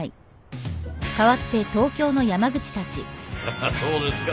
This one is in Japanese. ハハそうですか。